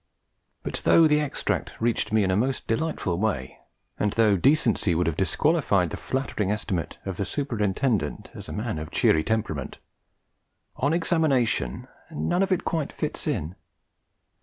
But though the extract reached me in a most delightful way, and though decency would have disqualified the flattering estimate of 'the Superintendent' (as 'a man of cheery temperament'), on examination none of it quite fits in.